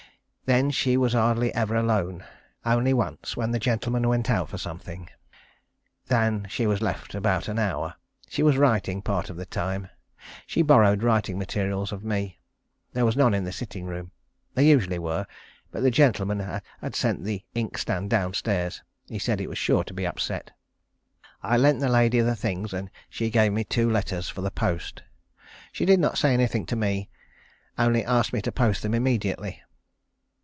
Then she was hardly ever alone. Only once when the gentleman went out for something. Then she was left about an hour. She was writing part of the time. She borrowed writing materials of me. There were none in the sitting room. There usually were, but the gentleman had sent the inkstand downstairs. He said it was sure to be upset. I lent the lady the things, and she gave me two letters for the post. She did not say anything to me; only asked me to post them immediately.